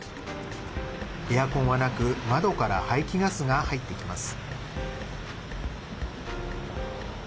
エアコンはなく窓から排気ガスが入ってきます。